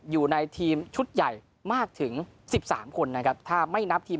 อยู่ในทีมชุดใหญ่มากถึงสิบสามคนนะครับถ้าไม่นับทีม